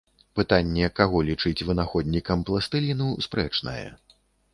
Пытанне каго лічыць вынаходнікам пластыліну спрэчнае.